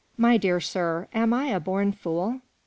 " My dear sir, am I a born fool